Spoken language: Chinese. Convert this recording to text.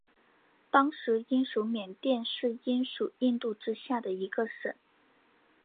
当时英属缅甸是英属印度之下的一省。